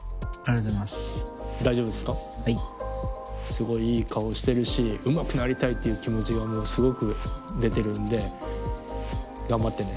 すごいいい顔してるしうまくなりたいっていう気持ちがすごく出てるんで頑張ってね。